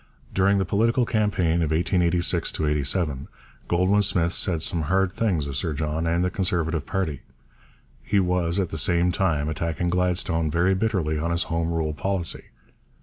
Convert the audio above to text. During the political campaign of 1886 87 Goldwin Smith said some hard things of Sir John and the Conservative party. He was at the same time attacking Gladstone very bitterly on his Home Rule policy.